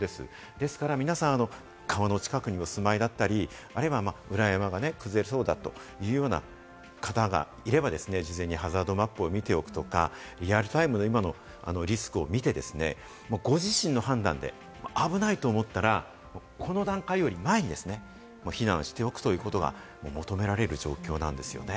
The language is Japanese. ですから皆さん、川の近くにお住まいであったり、あるいは裏山が崩れそうだというような方がいればですね、事前にハザードマップを見ておくとか、リアルタイムで今のリスクを見て、ご自身の判断で危ないと思ったら、この段階より前に避難しておくということが求められる状況なんですよね。